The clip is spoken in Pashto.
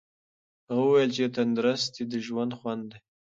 هغه وویل چې تندرستي د ژوند خوند دی.